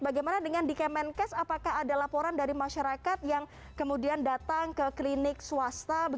bagaimana dengan di kemenkes apakah ada laporan dari masyarakat yang kemudian datang ke klinik swasta